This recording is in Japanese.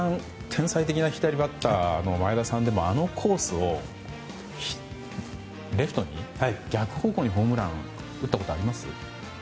天才的な左バッターの前田さんでもあのコースをレフトに逆方向にホームランを打ったことあります？